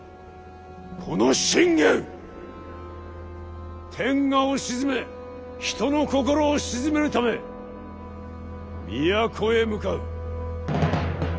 この信玄天下を鎮め人の心を鎮めるため都へ向かう。